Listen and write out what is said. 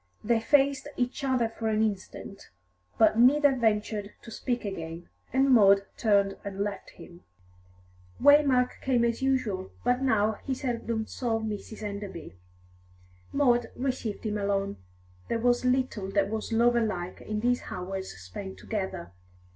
They faced each other for an instant, but neither ventured to speak again, and Maud turned and left him. Waymark came as usual, but now he seldom saw Mrs. Enderby. Maud received him alone. There was little that was lover like in these hours spent together.